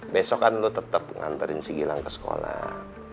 besok kan lo tetap nganterin si gilang ke sekolah